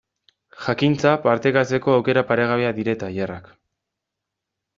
Jakintza partekatzeko aukera paregabea dira tailerrak.